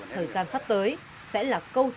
thời gian sắp tới sẽ là câu trả lời rõ ràng nhất